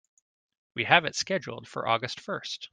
We have it scheduled for August first.